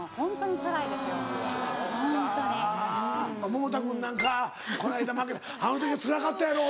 桃田君なんかこの間負けあの時はつらかったやろ？